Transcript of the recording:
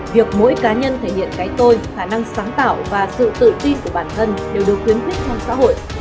việc mỗi cá nhân thể hiện cái tôi khả năng sáng tạo và sự tự tin của bản thân đều được tuyến thích trong xã hội